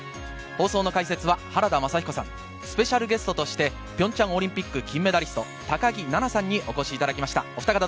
解説は原田雅彦さん、スペシャルゲストとして、ピョンチャンオリンピック金メダリスト・高木菜那さんにお越しいただきました。